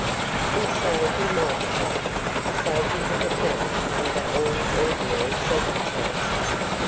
And so he might have done, so he would have done under all ordinary circumstances.